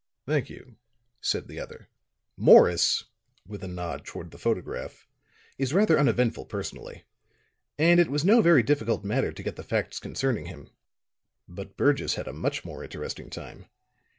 "Thank you," said the other. "Morris," with a nod toward the photograph, "is rather uneventful, personally. And it was no very difficult matter to get the facts concerning him. But Burgess had a much more interesting time.